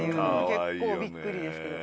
結構びっくりですけど。